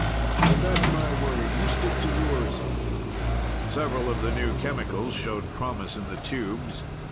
But that's my worry. You stick to yours." Several of the new chemicals showed promise in the tubes.